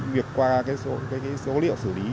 việc qua cái số liệu xử lý